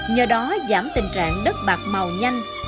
nhờ đó giảm tình trạng đất bạc màu nhanh